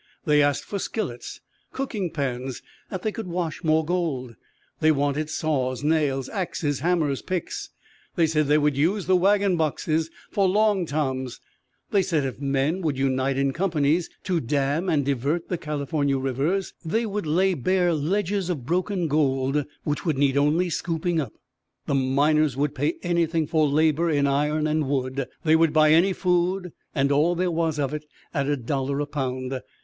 They asked for skillets, cooking pans, that they could wash more gold. They wanted saws, nails, axes, hammers, picks. They said they would use the wagon boxes for Long Toms. They said if men would unite in companies to dam and divert the California rivers they would lay bare ledges of broken gold which would need only scooping up. The miners would pay anything for labor in iron and wood. They would buy any food and all there was of it at a dollar a pound.